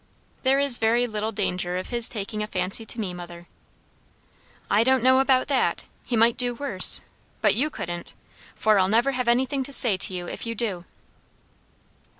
"There is very little danger of his taking a fancy to me, mother." "I don't know about that. He might do worse. But you couldn't; for I'll never have anything to say to you if you do."